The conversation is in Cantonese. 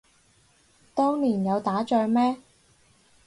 當年有打仗咩